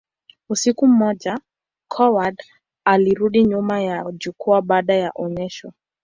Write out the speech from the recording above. Usiku mmoja, Coward alirudi nyuma ya jukwaa baada ya onyesho.